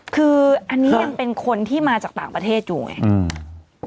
คืออันนี้ยังเป็นคนที่มาจากต่างประเทศอยู่ไง